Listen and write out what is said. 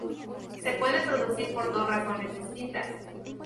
Se puede producir por dos razones distintas.